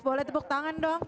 boleh tepuk tangan dong